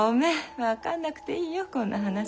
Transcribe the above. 分かんなくていいよこんな話。